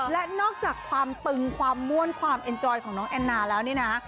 และนอกจากความตึงความม่วนความเอ็นจอยของน้องแอนนาแล้วนี่นะ